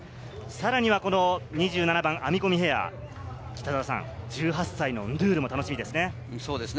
さらには２７番、編み込みヘア、１８歳のンドゥールも楽しみですね。